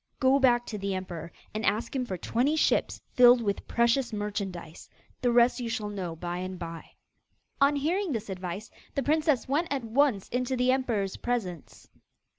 Go back to the emperor and ask him for twenty ships filled with precious merchandise. The rest you shall know by and by.' On hearing this advice, the princess went at once into the emperor's presence.